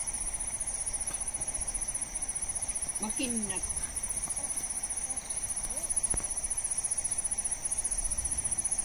Makinnak.